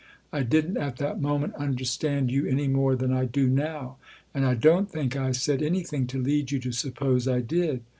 I didn't at that moment understand you any more than I do now ; and I don't think I said anything to lead you to suppose I did.